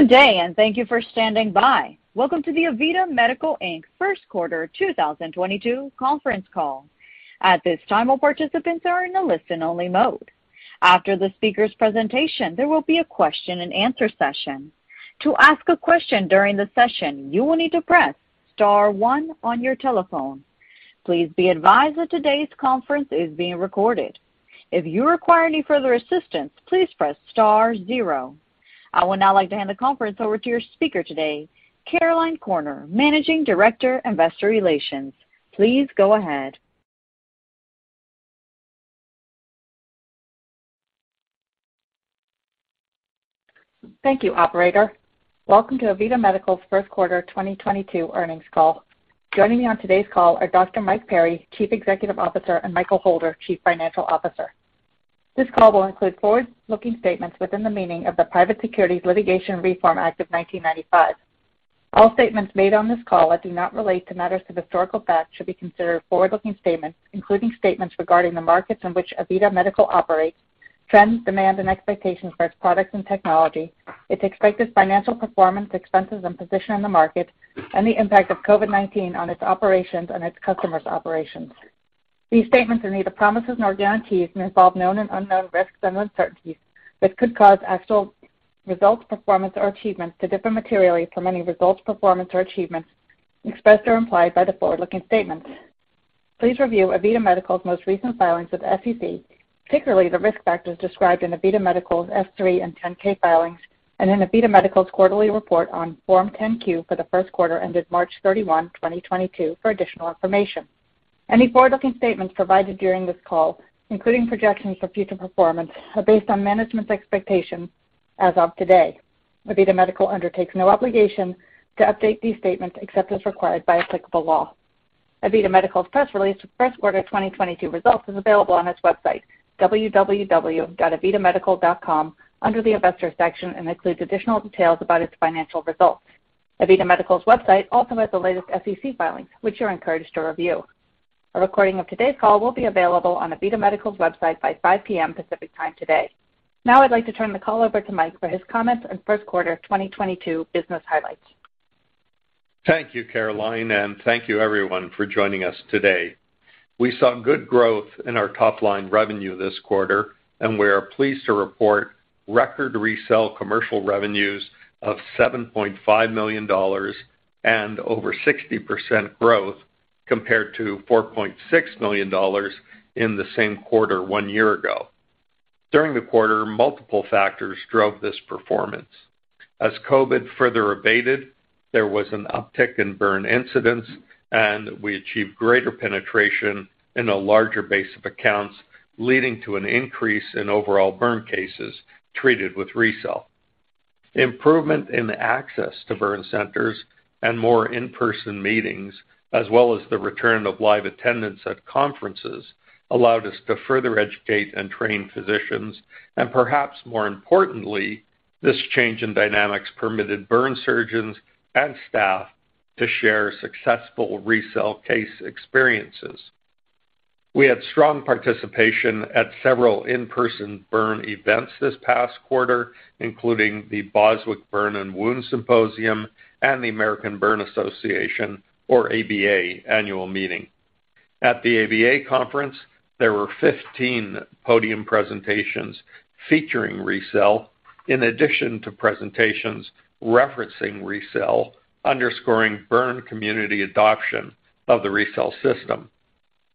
Good day, and thank you for standing by. Welcome to the AVITA Medical, Inc. Q1 2022 conference call. At this time, all participants are in a listen-only mode. After the speaker's presentation, there will be a question-and-answer session. I would now like to hand the conference over to your speaker today, Caroline Corner, Managing Director, Investor Relations. Please go ahead. Thank you, operator. Welcome to AVITA Medical's first quarter Q1 2022 earnings call. Joining me on today's call are Dr. Mike Perry, Chief Executive Officer, and Michael Holder, Chief Financial Officer. This call will include forward-looking statements within the meaning of the Private Securities Litigation Reform Act of 1995. All statements made on this call that do not relate to matters of historical fact should be considered forward-looking statements, including statements regarding the markets in which AVITA Medical operates, trends, demand, and expectations for its products and technology, its expected financial performance, expenses, and position in the market, and the impact of COVID-19 on its operations and its customers' operations. These statements are neither promises nor guarantees and involve known and unknown risks and uncertainties that could cause actual results, performance, or achievements to differ materially from any results, performance, or achievements expressed or implied by the forward-looking statements. Please review AVITA Medical's most recent filings with the SEC, particularly the risk factors described in AVITA Medical's S-3 and 10-K filings and in AVITA Medical's quarterly report on Form 10-Q for the Q1 ended March 31, 2022 for additional information. Any forward-looking statements provided during this call, including projections for future performance, are based on management's expectations as of today. AVITA Medical undertakes no obligation to update these statements except as required by applicable law. AVITA Medical's press release for Q1 2022 results is available on its website, www.avitamedical.com, under the Investors section and includes additional details about its financial results. AVITA Medical's website also has the latest SEC filings, which you're encouraged to review. A recording of today's call will be available on AVITA Medical's website by 5:00 P.M. Pacific Time today. Now I'd like to turn the call over to Mike for his comments on Q1 2022 business highlights. Thank you, Caroline, and thank you everyone for joining us today. We saw good growth in our top-line revenue this quarter, and we are pleased to report record RECELL commercial revenues of $7.5 million and over 60% growth compared to $4.6 million in the same quarter one year ago. During the quarter, multiple factors drove this performance. As COVID further abated, there was an uptick in burn incidents, and we achieved greater penetration in a larger base of accounts, leading to an increase in overall burn cases treated with RECELL. Improvement in access to burn centers and more in-person meetings, as well as the return of live attendance at conferences, allowed us to further educate and train physicians, and perhaps more importantly, this change in dynamics permitted burn surgeons and staff to share successful RECELL case experiences. We had strong participation at several in-person burn events this past quarter, including the Boswick Burn and Wound Symposium and the American Burn Association, or ABA, annual meeting. At the ABA conference, there were 15 podium presentations featuring RECELL, in addition to presentations referencing RECELL underscoring burn community adoption of the RECELL system.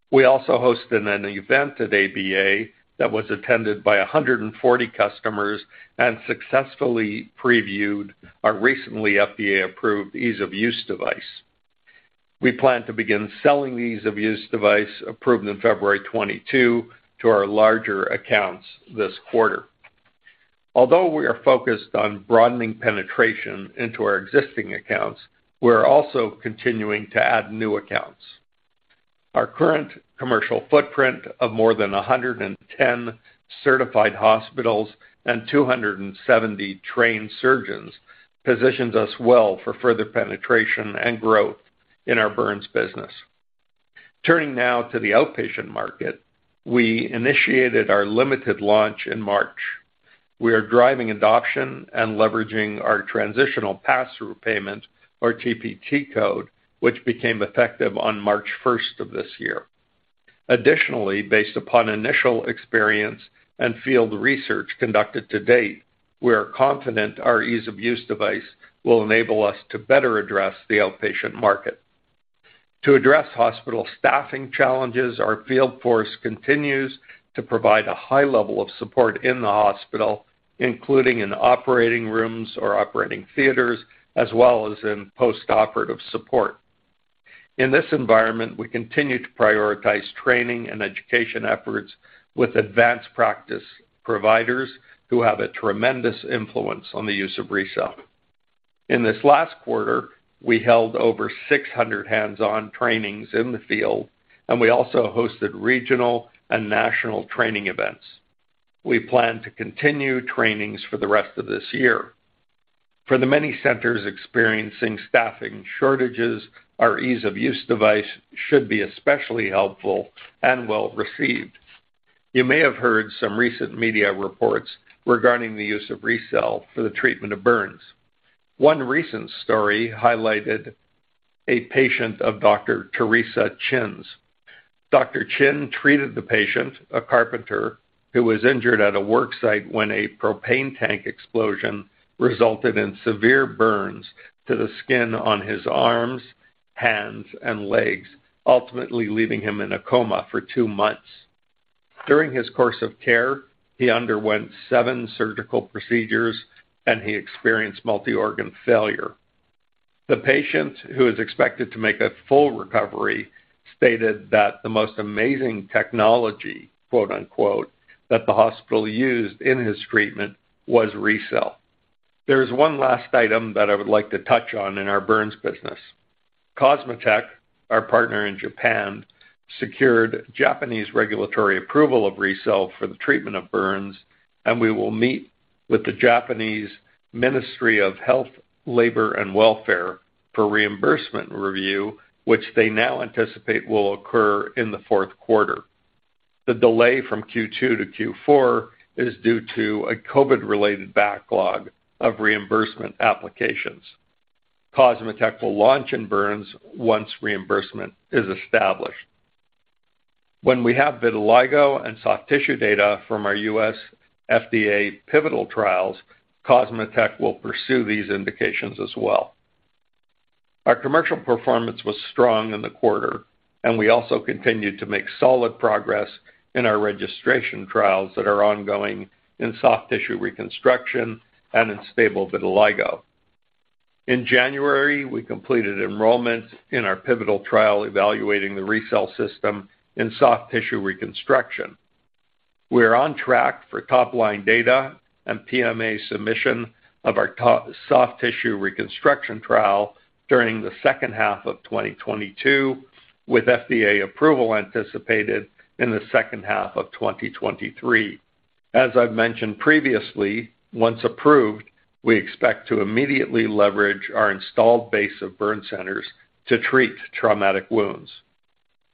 We also hosted an event at ABA that was attended by 140 customers and successfully previewed our recently FDA-approved ease-of-use device. We plan to begin selling the ease-of-use device approved in February 2022 to our larger accounts this quarter. Although we are focused on broadening penetration into our existing accounts, we're also continuing to add new accounts. Our current commercial footprint of more than 110 certified hospitals and 270 trained surgeons positions us well for further penetration and growth in our burns business. Turning now to the outpatient market. We initiated our limited launch in March. We are driving adoption and leveraging our transitional pass-through payment, or TPT code, which became effective on March 1st of this year. Additionally, based upon initial experience and field research conducted to date, we are confident our ease-of-use device will enable us to better address the outpatient market. To address hospital staffing challenges, our field force continues to provide a high level of support in the hospital, including in operating rooms or operating theaters, as well as in postoperative support. In this environment, we continue to prioritize training and education efforts with advanced practice providers who have a tremendous influence on the use of RECELL. In this last quarter, we held over 600 hands-on trainings in the field, and we also hosted regional and national training events. We plan to continue trainings for the rest of this year. For the many centers experiencing staffing shortages, our ease-of-use device should be especially helpful and well received. You may have heard some recent media reports regarding the use of RECELL for the treatment of burns. One recent story highlighted a patient of Dr. Teresa Chin's. Dr. Chin treated the patient, a carpenter, who was injured at a work site when a propane tank explosion resulted in severe burns to the skin on his arms, hands, and legs, ultimately leaving him in a coma for two months. During his course of care, he underwent seven surgical procedures, and he experienced multi-organ failure. The patient, who is expected to make a full recovery, stated that the most amazing technology, quote-unquote, "that the hospital used in his treatment was RECELL." There is one last item that I would like to touch on in our burns business. COSMOTEC, our partner in Japan, secured Japanese regulatory approval of RECELL for the treatment of burns, and we will meet with the Japanese Ministry of Health, Labor, and Welfare for reimbursement review, which they now anticipate will occur in the Q4. The delay from Q2-Q4 is due to a COVID-related backlog of reimbursement applications. COSMOTEC will launch in burns once reimbursement is established. When we have vitiligo and soft tissue data from our US FDA pivotal trials, COSMOTEC will pursue these indications as well. Our commercial performance was strong in the quarter, and we also continued to make solid progress in our registration trials that are ongoing in soft tissue reconstruction and in stable vitiligo. In January, we completed enrollment in our pivotal trial evaluating the RECELL system in soft tissue reconstruction. We are on track for top-line data and PMA submission of our soft tissue reconstruction trial during the second half of 2022, with FDA approval anticipated in the second half of 2023. As I've mentioned previously, once approved, we expect to immediately leverage our installed base of burn centers to treat traumatic wounds.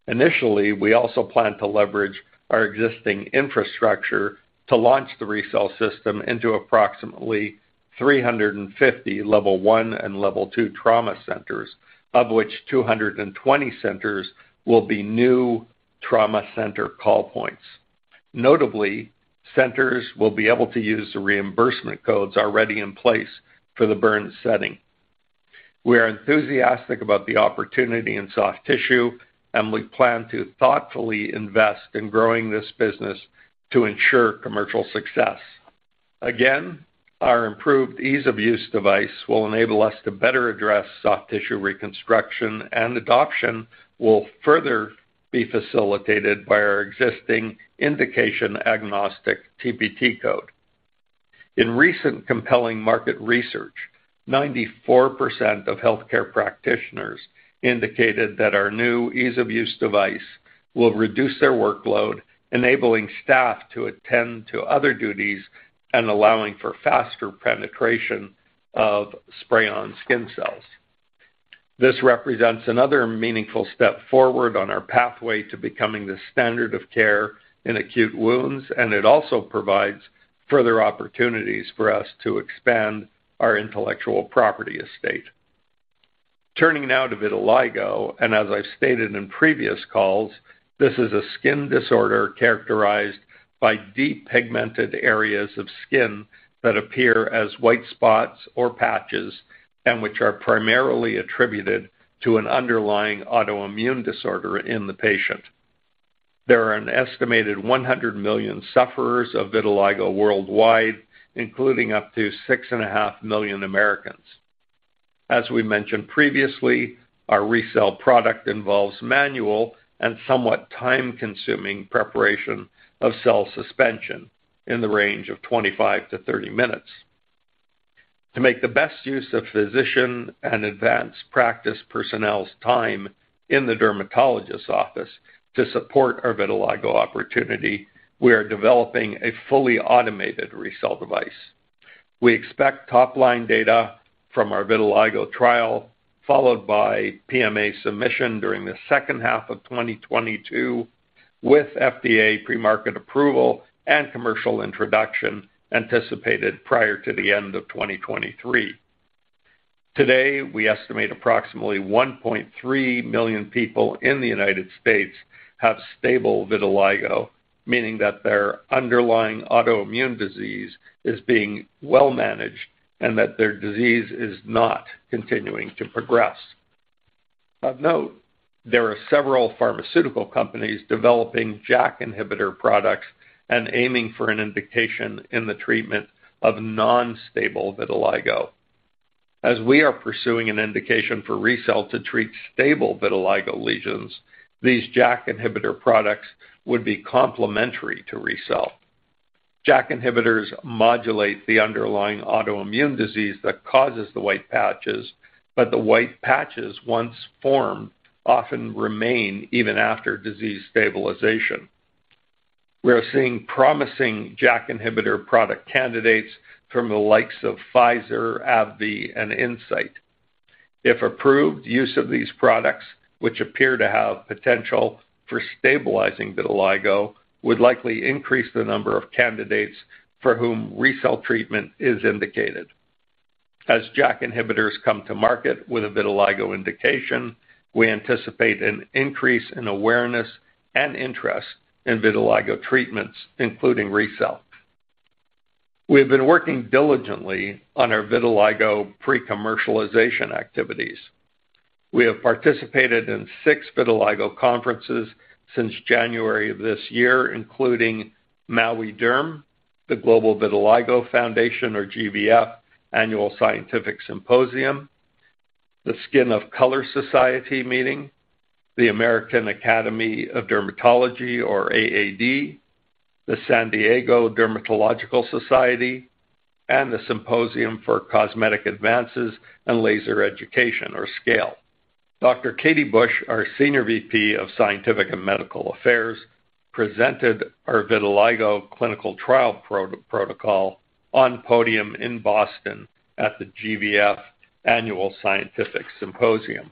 Initially, we also plan to leverage our existing infrastructure to launch the RECELL system into approximately 350 Level One and Level Two trauma centers, of which 220 centers will be new trauma center call points. Notably, centers will be able to use the reimbursement codes already in place for the burn setting. We are enthusiastic about the opportunity in soft tissue, and we plan to thoughtfully invest in growing this business to ensure commercial success. Again, our improved ease-of-use device will enable us to better address soft tissue reconstruction, and adoption will further be facilitated by our existing indication-agnostic TPT code. In recent compelling market research, 94% of healthcare practitioners indicated that our new ease-of-use device will reduce their workload, enabling staff to attend to other duties and allowing for faster penetration of spray-on skin cells. This represents another meaningful step forward on our pathway to becoming the standard of care in acute wounds, and it also provides further opportunities for us to expand our intellectual property estate. Turning now to vitiligo, as I've stated in previous calls, this is a skin disorder characterized by depigmented areas of skin that appear as white spots or patches and which are primarily attributed to an underlying autoimmune disorder in the patient. There are an estimated 100 million sufferers of vitiligo worldwide, including up to 6.5 million Americans. As we mentioned previously, our RECELL product involves manual and somewhat time-consuming preparation of cell suspension in the range of 25-30 minutes. To make the best use of physician and advanced practice personnel's time in the dermatologist's office to support our vitiligo opportunity, we are developing a fully automated RECELL device. We expect top-line data from our vitiligo trial, followed by PMA submission during the second half of 2022, with FDA pre-market approval and commercial introduction anticipated prior to the end of 2023. Today, we estimate approximately 1.3 million people in the United States have stable vitiligo, meaning that their underlying autoimmune disease is being well managed and that their disease is not continuing to progress. Of note, there are several pharmaceutical companies developing JAK inhibitor products and aiming for an indication in the treatment of non-stable vitiligo. As we are pursuing an indication for RECELL to treat stable vitiligo lesions, these JAK inhibitor products would be complementary to RECELL. JAK inhibitors modulate the underlying autoimmune disease that causes the white patches, but the white patches, once formed, often remain even after disease stabilization. We are seeing promising JAK inhibitor product candidates from the likes of Pfizer, AbbVie, and Incyte. If approved, use of these products, which appear to have potential for stabilizing vitiligo, would likely increase the number of candidates for whom RECELL treatment is indicated. As JAK inhibitors come to market with a vitiligo indication, we anticipate an increase in awareness and interest in vitiligo treatments, including RECELL. We have been working diligently on our vitiligo pre-commercialization activities. We have participated in six vitiligo conferences since January of this year, including Maui Derm, the Global Vitiligo Foundation or GVF Annual Scientific Symposium, the Skin of Color Society meeting, the American Academy of Dermatology or AAD, the San Diego Dermatological Society, and the Symposium for Cosmetic Advances and Laser Education, or SCALE. Dr. Katie Bush, our Senior VP of Scientific and Medical Affairs, presented our vitiligo clinical trial protocol on podium in Boston at the GVF Annual Scientific Symposium.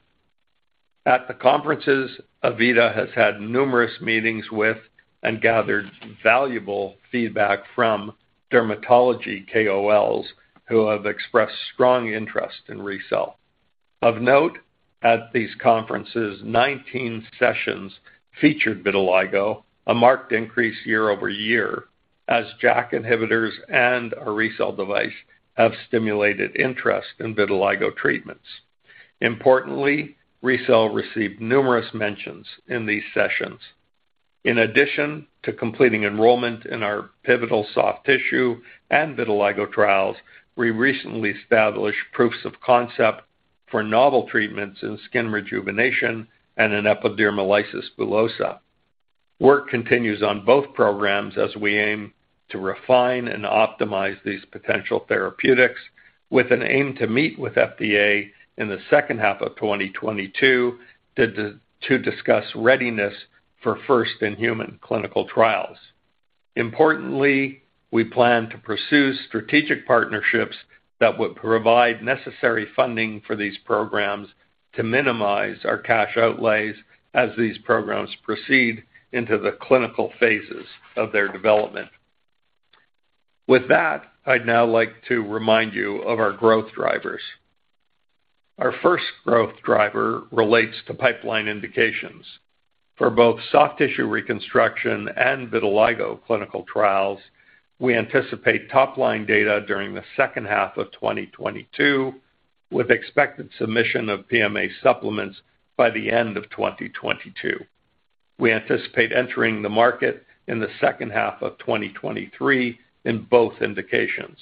At the conferences, AVITA has had numerous meetings with and gathered valuable feedback from dermatology KOLs who have expressed strong interest in RECELL. Of note, at these conferences, 19 sessions featured vitiligo, a marked increase year-over-year as JAK inhibitors and our RECELL device have stimulated interest in vitiligo treatments. Importantly, RECELL received numerous mentions in these sessions. In addition to completing enrollment in our pivotal soft tissue and vitiligo trials, we recently established proofs of concept for novel treatments in skin rejuvenation and in epidermolysis bullosa. Work continues on both programs as we aim to refine and optimize these potential therapeutics with an aim to meet with FDA in the second half of 2022 to discuss readiness for first-in-human clinical trials. Importantly, we plan to pursue strategic partnerships that would provide necessary funding for these programs to minimize our cash outlays as these programs proceed into the clinical phases of their development. With that, I'd now like to remind you of our growth drivers. Our 1st growth driver relates to pipeline indications. For both soft tissue reconstruction and vitiligo clinical trials, we anticipate top-line data during the second half of 2022, with expected submission of PMA supplements by the end of 2022. We anticipate entering the market in the second half of 2023 in both indications.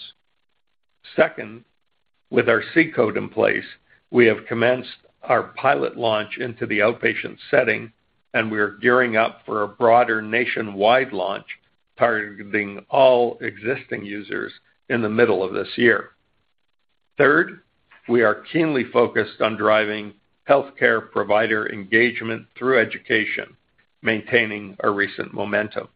2nd, with our C code in place, we have commenced our pilot launch into the outpatient setting, and we are gearing up for a broader nationwide launch targeting all existing users in the middle of this year. 3rd, we are keenly focused on driving healthcare provider engagement through education, maintaining our recent momentum.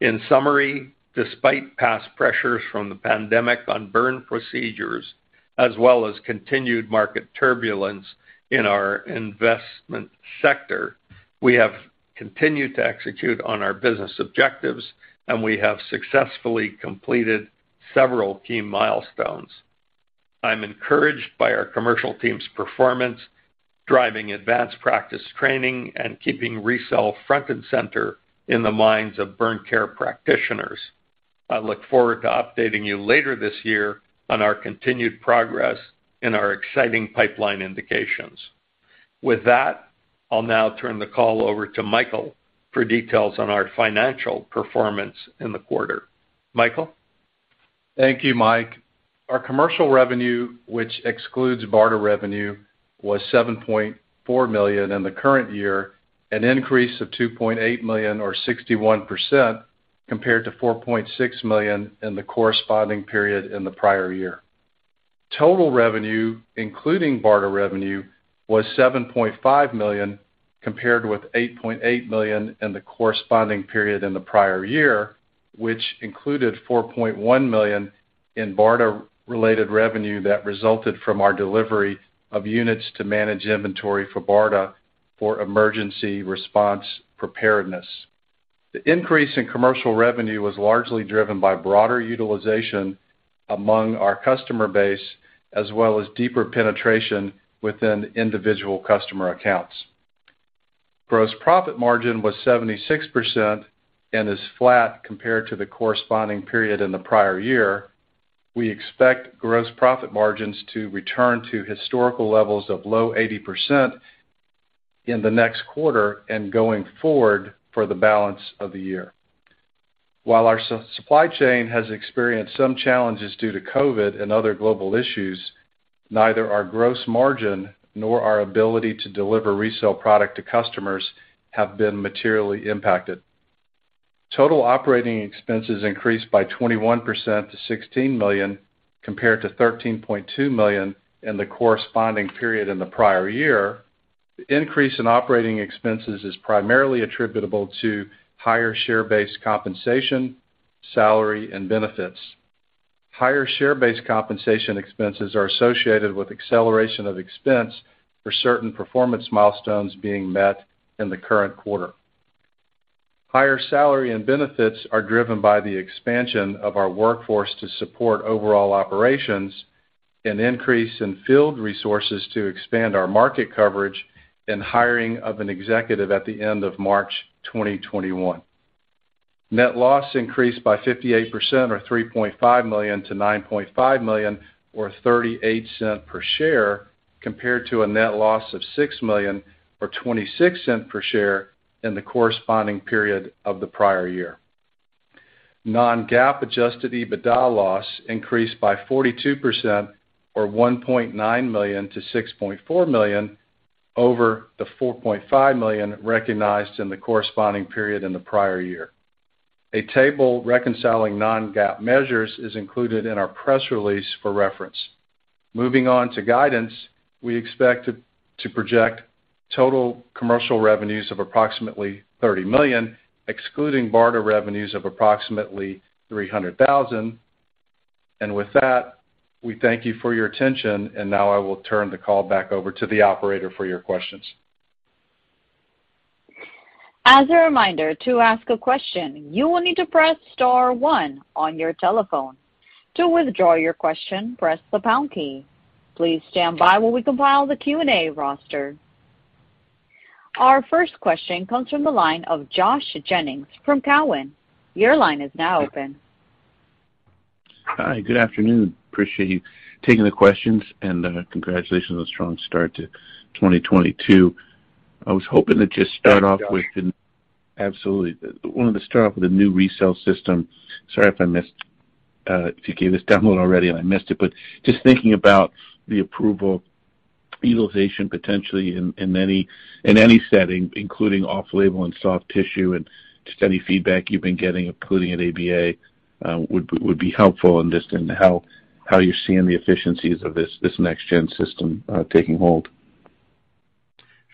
In summary, despite past pressures from the pandemic on burn procedures as well as continued market turbulence in our investment sector, we have continued to execute on our business objectives, and we have successfully completed several key milestones. I'm encouraged by our commercial team's performance, driving advanced practice training and keeping RECELL front and center in the minds of burn care practitioners. I look forward to updating you later this year on our continued progress in our exciting pipeline indications. With that, I'll now turn the call over to Michael for details on our financial performance in the quarter. Michael? Thank you, Mike. Our commercial revenue, which excludes BARDA revenue, was $7.4 million in the current year, an increase of $2.8 million or 61% compared to $4.6 million in the corresponding period in the prior year. Total revenue, including BARDA revenue, was $7.5 million, compared with $8.8 million in the corresponding period in the prior year, which included $4.1 million in BARDA related revenue that resulted from our delivery of units to manage inventory for BARDA for emergency response preparedness. The increase in commercial revenue was largely driven by broader utilization among our customer base as well as deeper penetration within individual customer accounts. Gross profit margin was 76% and is flat compared to the corresponding period in the prior year. We expect gross profit margins to return to historical levels of low 80% in the next quarter and going forward for the balance of the year. While our supply chain has experienced some challenges due to COVID and other global issues, neither our gross margin nor our ability to deliver RECELL product to customers have been materially impacted. Total operating expenses increased by 21% to $16 million, compared to $13.2 million in the corresponding period in the prior year. The increase in operating expenses is primarily attributable to higher share-based compensation Salary and benefits. Higher share-based compensation expenses are associated with acceleration of expense for certain performance milestones being met in the current quarter. Higher salary and benefits are driven by the expansion of our workforce to support overall operations, an increase in field resources to expand our market coverage, and hiring of an executive at the end of March 2021. Net loss increased by 58% or $3.5 million-$9.5 million, or $0.38 per share, compared to a net loss of $6 million or $0.26 Per share in the corresponding period of the prior year. Non-GAAP adjusted EBITDA loss increased by 42% or $1.9 million-$6.4 million over the $4.5 million recognized in the corresponding period in the prior year. A table reconciling non-GAAP measures is included in our press release for reference. Moving on to guidance, we expect to project total commercial revenues of approximately $30 million, excluding BARDA revenues of approximately $300,000. With that, we thank you for your attention. Now I will turn the call back over to the operator for your questions. Our first question comes from the line of Josh Jennings from Cowen. Your line is now open. Hi, good afternoon. Appreciate you taking the questions, and congratulations on strong start to 2022. I was hoping to just start off with an- Absolutely. Wanted to start off with a new RECELL system. Sorry if I missed if you gave this demo already, and I missed it. Just thinking about the overall utilization potentially in any setting, including off-label and soft tissue and just any feedback you've been getting, including at ABA, would be helpful in just how you're seeing the efficiencies of this next-gen system taking hold.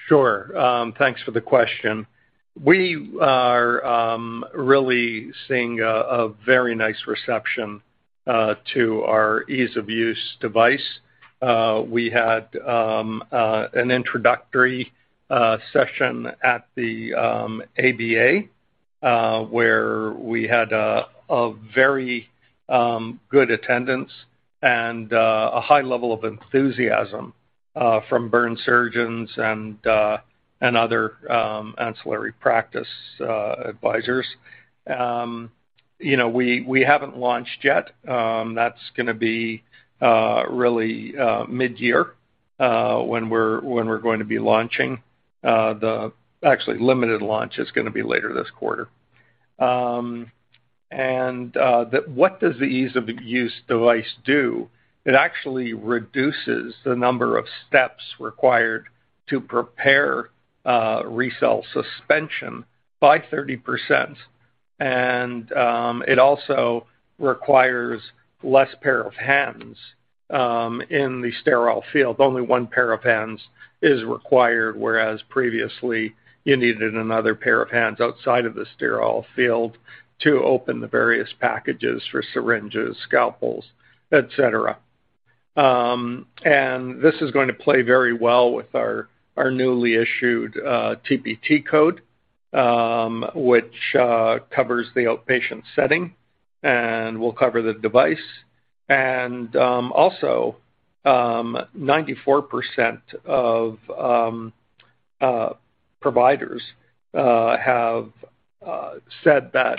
Sure. Thanks for the question. We are really seeing a very nice reception to our ease-of-use device. We had an introductory session at the ABA where we had a very good attendance and a high level of enthusiasm from burn surgeons and other ancillary practice advisors. You know, we haven't launched yet. That's gonna be really midyear when we're going to be launching. The actual limited launch is gonna be later this quarter. What does the ease-of-use device do? It actually reduces the number of steps required to prepare RECELL suspension by 30%. It also requires fewer pairs of hands in the sterile field. Only one pair of hands is required, whereas previously you needed another pair of hands outside of the sterile field to open the various packages for syringes, scalpels, et cetera. This is going to play very well with our newly issued TPT code, which covers the outpatient setting and will cover the device. Also, 94% of providers have said that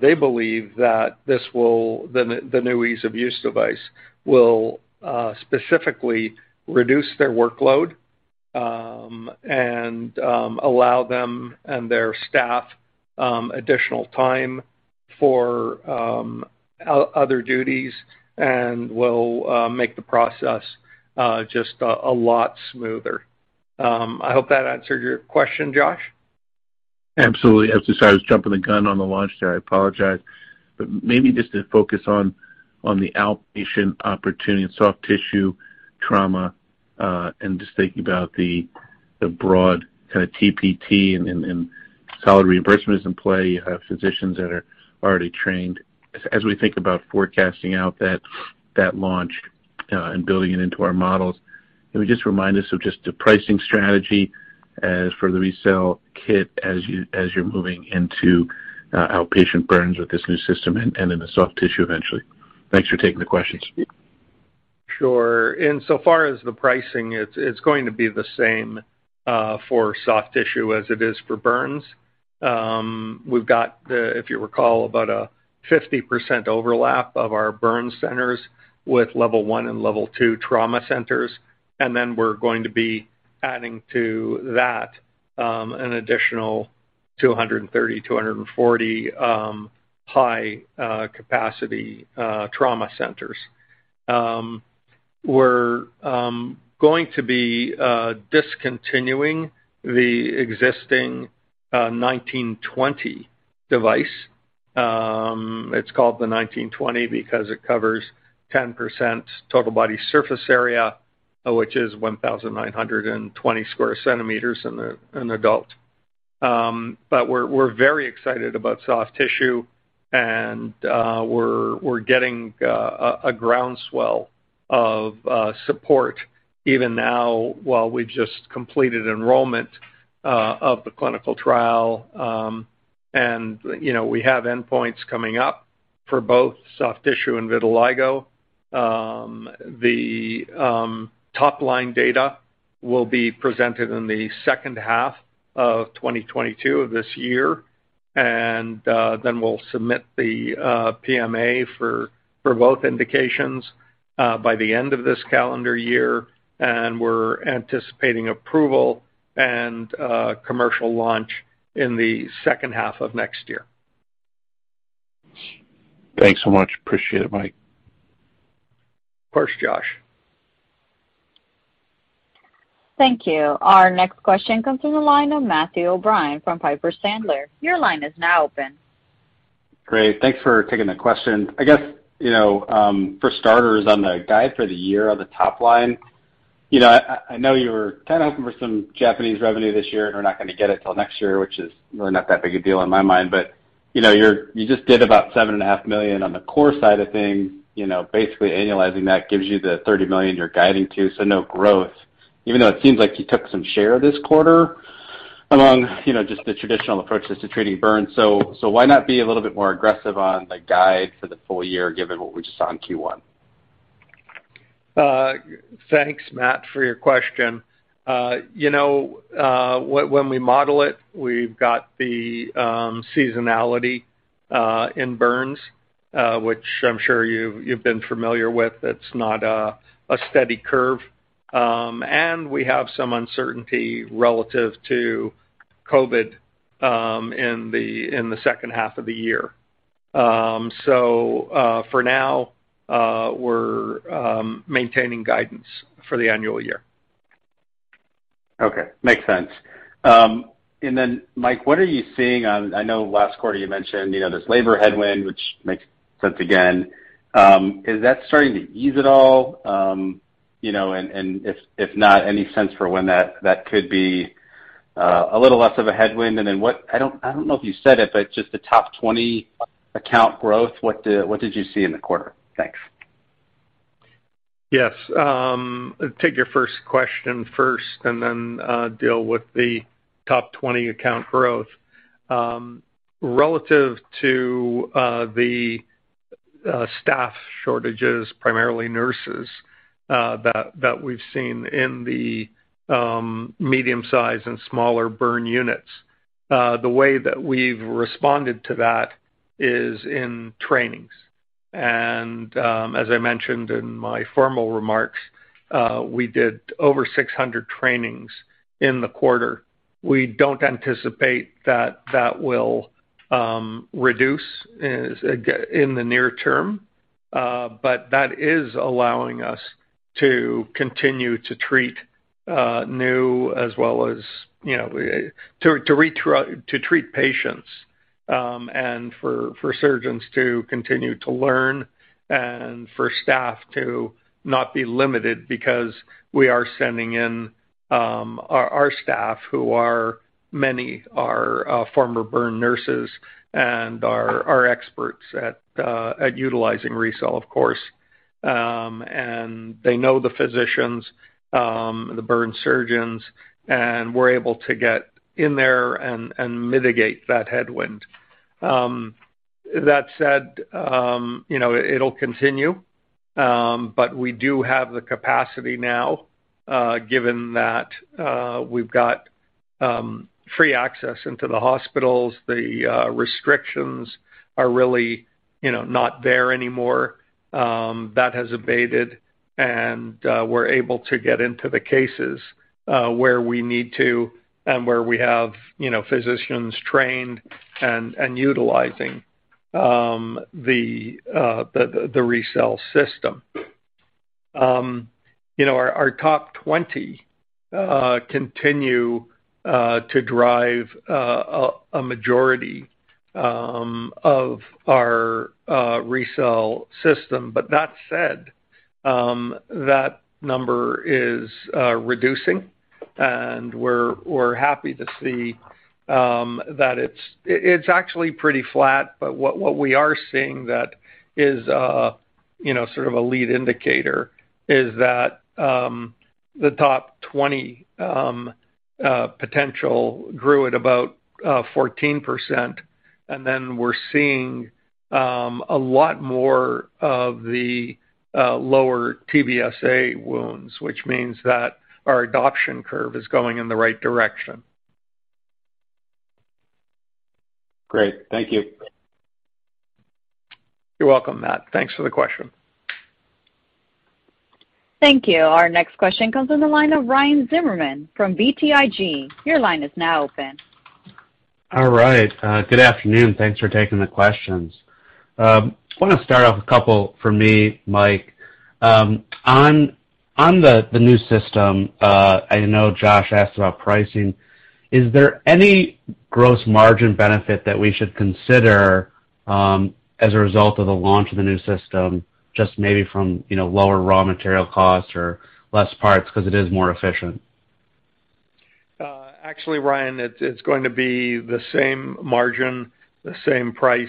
they believe that the new ease of use device will specifically reduce their workload, and allow them and their staff additional time for other duties, and will make the process just a lot smoother. I hope that answered your question, Josh. Absolutely. As I was jumping the gun on the launch there, I apologize. Maybe just to focus on the outpatient opportunity in soft tissue trauma, and just thinking about the broad kinda TPT and solid reimbursements in play, you have physicians that are already trained. As we think about forecasting out that launch, and building it into our models, can you just remind us of just the pricing strategy as for the RECELL kit as you're moving into outpatient burns with this new system and in the soft tissue eventually? Thanks for taking the questions. Sure. Insofar as the pricing, it's going to be the same for soft tissue as it is for burns. We've got, if you recall, about a 50% overlap of our burn centers with level one and level two trauma centers, and then we're going to be adding to that an additional 230-240 high-capacity trauma centers. We're going to be discontinuing the existing RECELL 1920 device. It's called the RECELL 1920 because it covers 10% total body surface area, which is 1,920 square centimeters in an adult. We're very excited about soft tissue, and we're getting a groundswell of support even now while we've just completed enrollment of the clinical trial. you know, we have endpoints coming up for both soft tissue and vitiligo. The top-line data will be presented in the second half of 2022 of this year. Then we'll submit the PMA for both indications by the end of this calendar year, and we're anticipating approval and commercial launch in the second half of next year. Thanks so much. Appreciate it, Mike. Of course, Josh. Thank you. Our next question comes from the line of Matthew O'Brien from Piper Sandler. Your line is now open. Great. Thanks for taking the question. I guess, you know, for starters, on the guide for the year on the top line, you know, I know you were kind of hoping for some Japanese revenue this year, and you're not gonna get it till next year, which is really not that big a deal in my mind. But, you know, you just did about $7.5 million on the core side of things, you know, basically annualizing that gives you the $30 million you're guiding to, so no growth. Even though it seems like you took some share this quarter among, you know, just the traditional approaches to treating burns. So why not be a little bit more aggressive on the guide for the full year, given what we just saw in Q1? Thanks, Matt, for your question. You know, when we model it, we've got the seasonality in burns, which I'm sure you've been familiar with. It's not a steady curve. We have some uncertainty relative to COVID in the second half of the year. For now, we're maintaining guidance for the annual year. Okay. Makes sense. Mike, what are you seeing? I know last quarter you mentioned, you know, this labor headwind, which makes sense again. Is that starting to ease at all? You know, and if not, any sense for when that could be a little less of a headwind? I don't know if you said it, but just the top 20 account growth, what did you see in the quarter? Thanks. Yes. Take your 1st question first and then deal with the top 20 account growth. Relative to the staff shortages, primarily nurses, that we've seen in the medium-sized and smaller burn units, the way that we've responded to that is in trainings. As I mentioned in my formal remarks, we did over 600 trainings in the quarter. We don't anticipate that that will reduce in the near term, but that is allowing us to continue to treat new as well as, you know, to re-treat, to treat patients, and for surgeons to continue to learn and for staff to not be limited because we are sending in our staff who are many are former burn nurses and are experts at utilizing RECELL, of course. And they know the physicians, the burn surgeons, and we're able to get in there and mitigate that headwind. That said, you know, it'll continue. We do have the capacity now, given that we've got free access into the hospitals. The restrictions are really, you know, not there anymore. That has abated, and we're able to get into the cases where we need to and where we have, you know, physicians trained and utilizing the RECELL system. You know, our top 20 continue to drive a majority of our RECELL system. But that said, that number is reducing, and we're happy to see that it's actually pretty flat, but what we are seeing that is, you know, sort of a lead indicator is that, the top 20 potential grew at about 14%, and then we're seeing a lot more of the lower TBSA wounds, which means that our adoption curve is going in the right direction. Great. Thank you. You're welcome, Matt. Thanks for the question. Thank you. Our next question comes from the line of Ryan Zimmerman from BTIG. Your line is now open. All right. Good afternoon. Thanks for taking the questions. Wanna start off a couple from me, Mike. On the new system, I know Josh asked about pricing, is there any gross margin benefit that we should consider as a result of the launch of the new system, just maybe from, you know, lower raw material costs or less parts because it is more efficient. Actually, Ryan, it's going to be the same margin, the same price.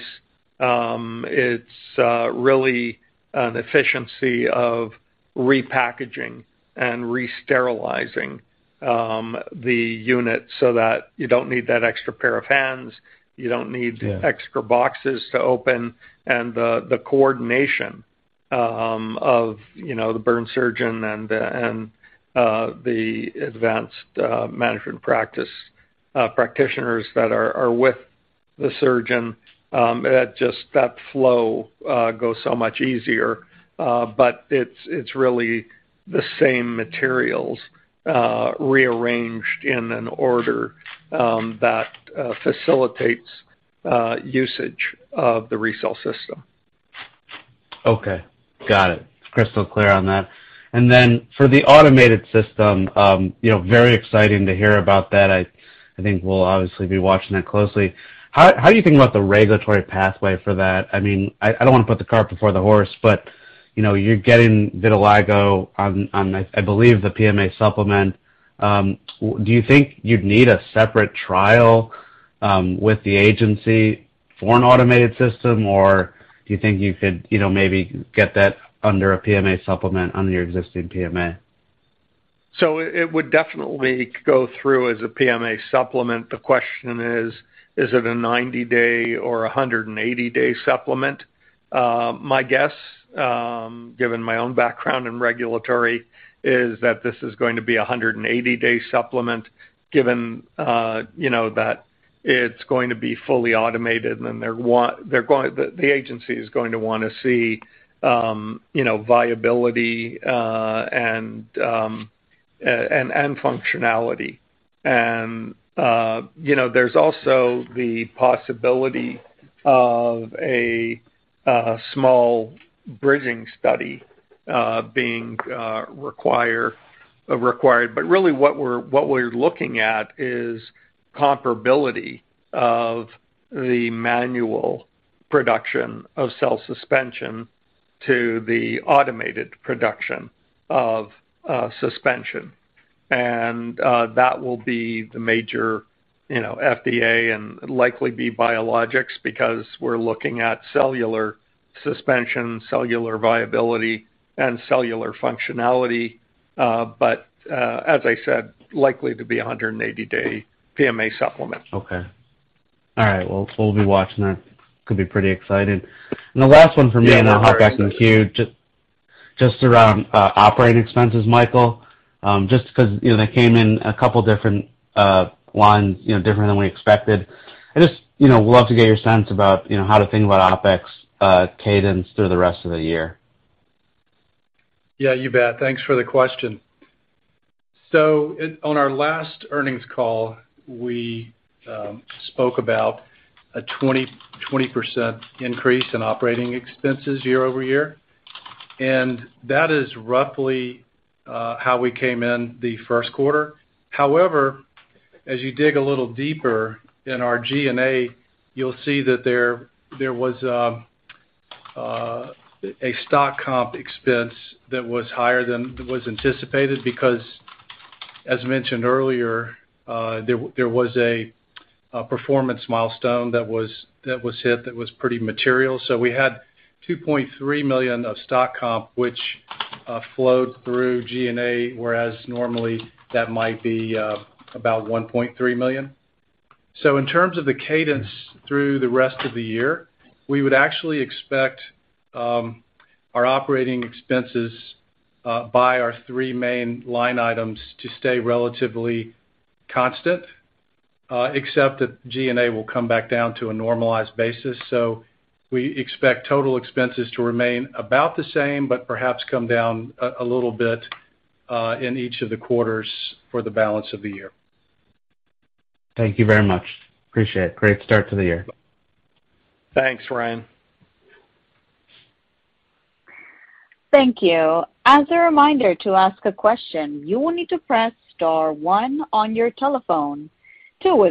It's really an efficiency of repackaging and re-sterilizing the unit so that you don't need that extra pair of hands. Yeah Extra boxes to open. The coordination of you know the burn surgeon and the advanced practice practitioners that are with the surgeon, that the flow goes so much easier. But it's really the same materials rearranged in an order that facilitates usage of the RECELL system. Okay. Got it. Crystal clear on that. For the automated system, you know, very exciting to hear about that. I think we'll obviously be watching that closely. How are you thinking about the regulatory pathway for that? I mean, I don't wanna put the cart before the horse, but, you know, you're getting vitiligo on, I believe, the PMA supplement. Do you think you'd need a separate trial with the agency for an automated system, or do you think you could, you know, maybe get that under a PMA supplement under your existing PMA? It would definitely go through as a PMA supplement. The question is it a 90-day or a 180-day supplement? My guess, given my own background in regulatory, is that this is going to be a 180-day supplement, given, you know, that it's going to be fully automated, and then the agency is going to wanna see, you know, viability, and functionality. You know, there's also the possibility of a small bridging study being required. Really what we're looking at is comparability of the manual production of cell suspension to the automated production of suspension. That will be the major, you know, FDA and likely be biologics because we're looking at cellular suspension, cellular viability, and cellular functionality. As I said, likely to be a 180-day PMA supplement. Okay. All right. Well, we'll be watching that. Could be pretty exciting. Yeah. The last one for me, and I'll hop back in the queue. Just around operating expenses, Michael. Just 'cause, you know, they came in a couple different lines, you know, different than we expected. I just, you know, would love to get your sense about, you know, how to think about OpEx cadence through the rest of the year. Yeah, you bet. Thanks for the question. On our last earnings call, we spoke about a 20% increase in operating expenses year-over-year, and that is roughly how we came in the Q1. However, as you dig a little deeper in our G&A, you'll see that there was a stock comp expense that was higher than was anticipated because, as mentioned earlier, there was a performance milestone that was hit that was pretty material. We had $2.3 million of stock comp, which flowed through G&A, whereas normally that might be about $1.3 million. In terms of the cadence through the rest of the year, we would actually expect our operating expenses by our three main line items to stay relatively constant, except that G&A will come back down to a normalized basis. We expect total expenses to remain about the same, but perhaps come down a little bit in each of the quarters for the balance of the year. Thank you very much. Appreciate it. Great start to the year. Thanks, Ryan. Thank you. Our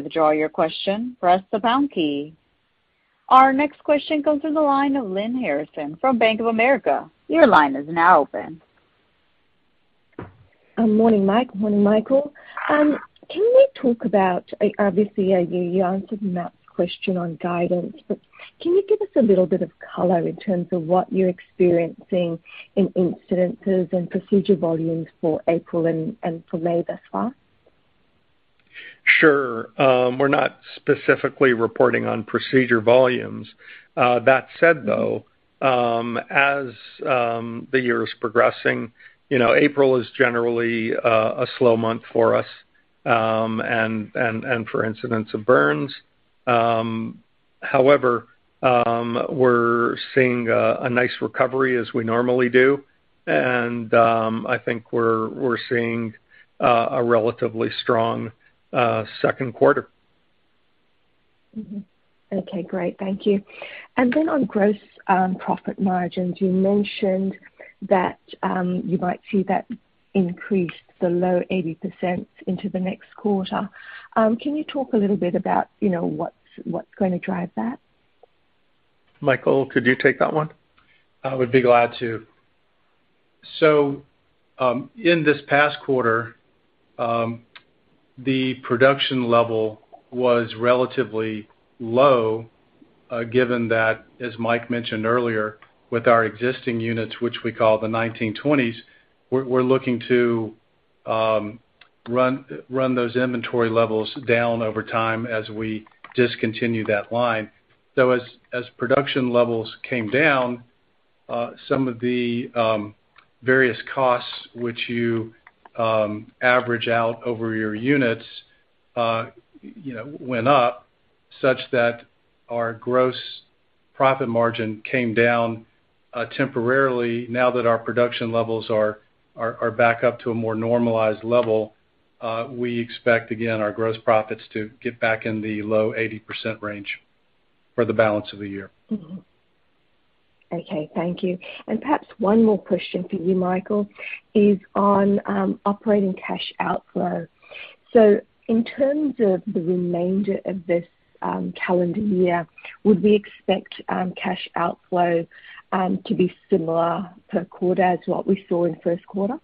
next question comes through the line of Lyanne Harrison from Bank of America. Your line is now open. Morning, Mike. Morning, Michael. Obviously, you answered Matt's question on guidance. Can you give us a little bit of color in terms of what you're experiencing in incidences and procedure volumes for April and for May thus far? Sure. We're not specifically reporting on procedure volumes. That said, though, as the year is progressing, you know, April is generally a slow month for us, and for incidents of burns. However, we're seeing a nice recovery as we normally do, and I think we're seeing a relatively strong Q2. Mm-hmm. Okay. Great. Thank you. Then on gross profit margins, you mentioned that you might see that increase to the low 80% into the next quarter. Can you talk a little bit about, you know, what's gonna drive that? Michael, could you take that one? I would be glad to. In this past quarter, the production level was relatively low, given that, as Mike mentioned earlier, with our existing units, which we call the nineteen twenties, we're looking to run those inventory levels down over time as we discontinue that line. As production levels came down, some of the various costs which you average out over your units, you know, went up such that our gross profit margin came down, temporarily. Now that our production levels are back up to a more normalized level, we expect, again, our gross profits to get back in the low 80% range for the balance of the year. Mm-hmm. Okay. Thank you. Perhaps one more question for you, Michael, is on operating cash outflow. So in terms of the remainder of this calendar year, would we expect cash outflow to be similar per quarter as what we saw in Q1?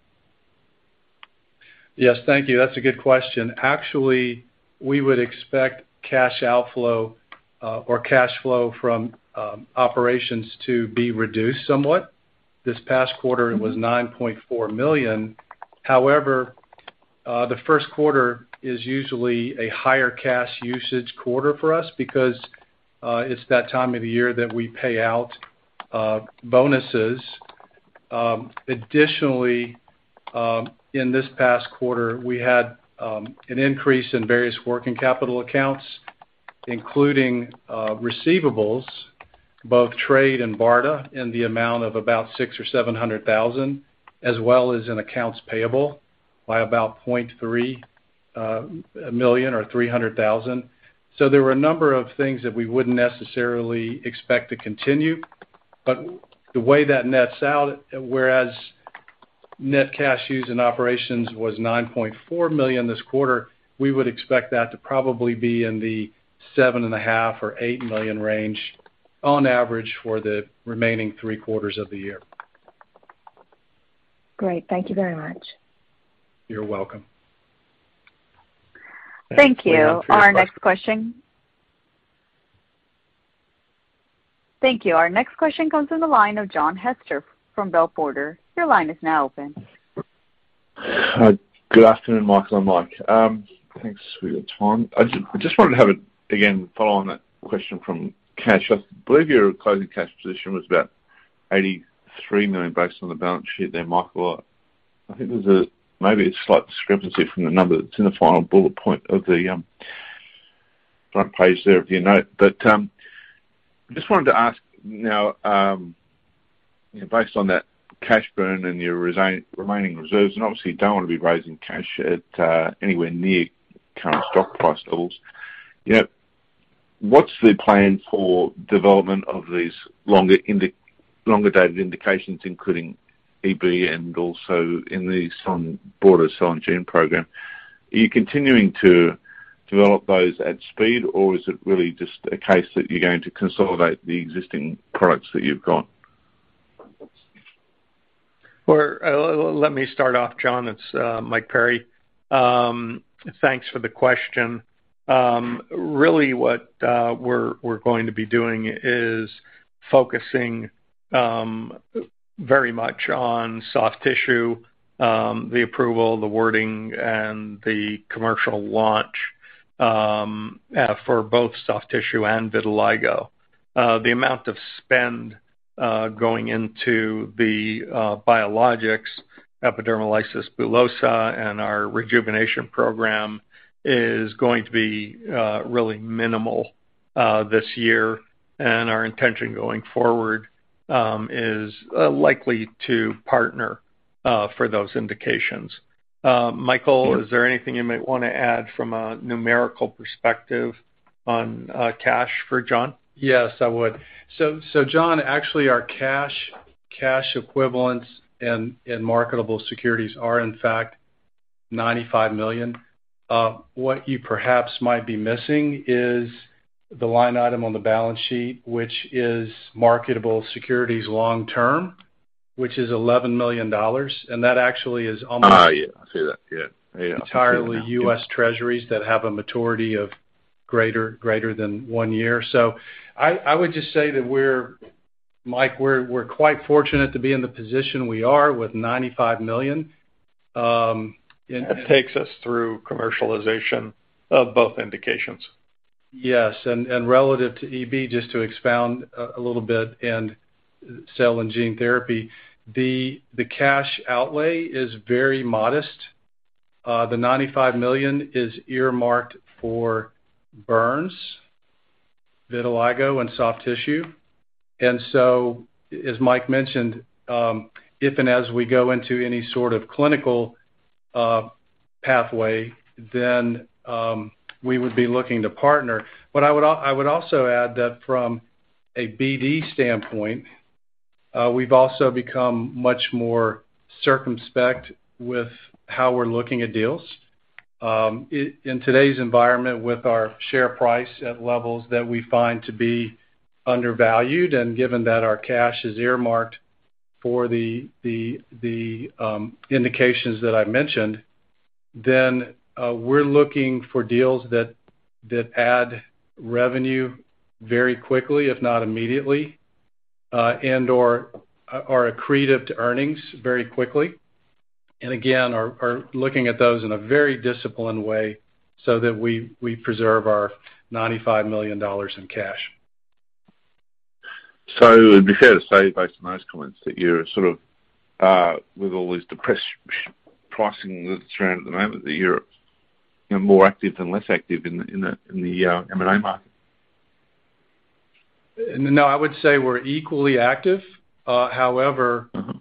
Yes. Thank you. That's a good question. Actually, we would expect cash outflow, or cash flow from operations to be reduced somewhat. This past quarter. Mm-hmm. It was $9.4 million. However, the Q1 is usually a higher cash usage quarter for us because it's that time of the year that we pay out bonuses. Additionally, in this past quarter, we had an increase in various working capital accounts, including receivables, both trade and BARDA, in the amount of about $600,000-$700,000, as well as in accounts payable by about $0.3 million or $300,000. There were a number of things that we wouldn't necessarily expect to continue, but the way that nets out, whereas net cash used in operations was $9.4 million this quarter, we would expect that to probably be in the $7.5-$8 million range on average for the remaining Q3 of the year. Great. Thank you very much. You're welcome. Thank you. Our next question comes from the line of John Hester from Bell Potter. Your line is now open. Hi. Good afternoon, Michael and Mike. Thanks for your time. I just wanted to have it again follow on that question from Cash. I believe your closing cash position was about $83 million based on the balance sheet there, Michael. I think there's maybe a slight discrepancy from the number that's in the final bullet point of the front page there of your note. But just wanted to ask now, based on that cash burn and your remaining reserves, and obviously you don't want to be raising cash at anywhere near current stock price levels, you know, what's the plan for development of these longer data indications, including EB and also RECELL and broader cell and gene program? Are you continuing to develop those at speed, or is it really just a case that you're going to consolidate the existing products that you've got? Well, let me start off, John. It's Mike Perry. Thanks for the question. Really what we're going to be doing is focusing very much on soft tissue, the approval, the wording, and the commercial launch for both soft tissue and vitiligo. The amount of spend going into the biologics, epidermolysis bullosa and our rejuvenation program is going to be really minimal this year. Our intention going forward is likely to partner for those indications. Michael, is there anything you might wanna add from a numerical perspective on cash for John? Yes, I would. John, actually, our cash equivalents and marketable securities are in fact $95 million. What you perhaps might be missing is the line item on the balance sheet, which is marketable securities long term, which is $11 million. That actually is almost. Yeah, I see that. Yeah. Yeah. Entirely U.S. Treasuries that have a maturity of greater than one year. I would just say that we're, Mike, quite fortunate to be in the position we are with $95 million, and- That takes us through commercialization of both indications. Yes. Relative to EB, just to expound a little bit in cell and gene therapy, the cash outlay is very modest. The $95 million is earmarked for burns, vitiligo, and soft tissue. As Mike mentioned, if and as we go into any sort of clinical pathway, then we would be looking to partner. I would also add that from a BD standpoint, we've also become much more circumspect with how we're looking at deals. In today's environment with our share price at levels that we find to be undervalued, and given that our cash is earmarked for the indications that I mentioned, we're looking for deals that add revenue very quickly, if not immediately, and/or are accretive to earnings very quickly. Again, we are looking at those in a very disciplined way so that we preserve our $95 million in cash. It would be fair to say, based on those comments, that you're sort of with all this depressed pricing that's around at the moment, that you're, you know, more active than less active in the M&A market? No, I would say we're equally active. However, Mm-hmm.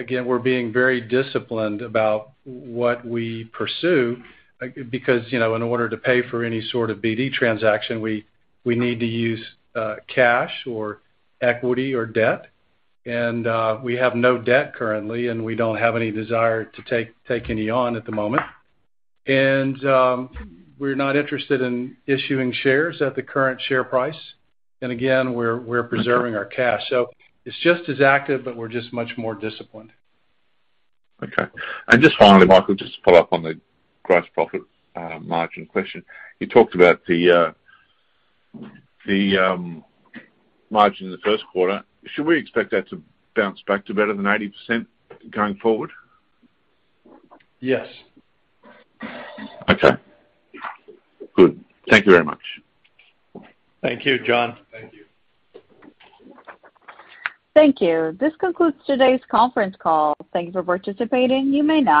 Again, we're being very disciplined about what we pursue because, you know, in order to pay for any sort of BD transaction, we need to use cash or equity or debt. We have no debt currently, and we don't have any desire to take any on at the moment. We're not interested in issuing shares at the current share price. Again, we're preserving our cash. It's just as active, but we're just much more disciplined. Okay. Just finally, Michael, just to follow up on the gross profit margin question. You talked about the margin in the Q1. Should we expect that to bounce back to better than 80% going forward? Yes. Okay. Good. Thank you very much. Thank you, John. Thank you. Thank you. This concludes today's conference call. Thank you for participating. You may now disconnect.